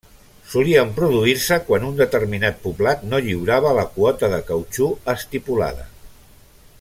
Solien produir-se quan un determinat poblat no lliurava la quota de cautxú estipulada.